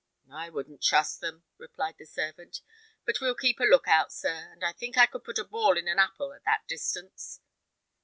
"I wouldn't trust them," replied the servant; "but we'll keep a look out, sir, and I think I could put a ball in an apple at that distance."